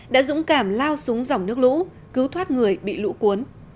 đã dũng cảm lao xuống dòng nước lũ cứu thoát người bị lũ cuốn